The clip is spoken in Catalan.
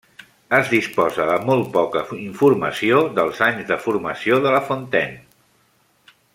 Es disposa de molt poca informació dels anys de formació de La Fontaine.